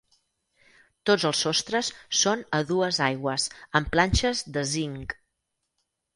Tots els sostres són a dues aigües amb planxes de zinc.